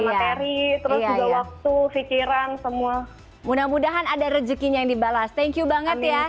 materi terus juga waktu pikiran semua mudah mudahan ada rezekinya yang dibalas thank you banget ya